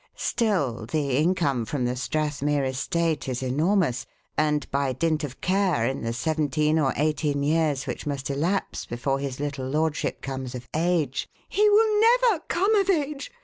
Still, the income from the Strathmere estate is enormous; and by dint of care, in the seventeen or eighteen years which must elapse before his little lordship comes of age " "He will never come of age!